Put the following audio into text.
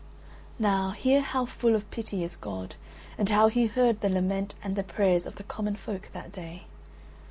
Now, hear how full of pity is God and how He heard the lament and the prayers of the common folk, that day.